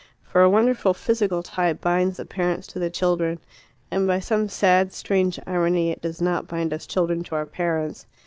For a wonderful physical tie binds the parents to the children; and by some sad, strange irony it does not bind us children to our parents.